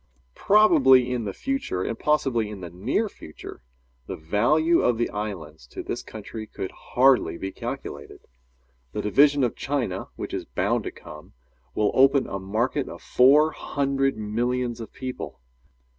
Probably in the future, and possibly in the near future, the value of the islands to this country could hardly be calculated. The division of China which is bound to come, will open a market of four hundred millions of people.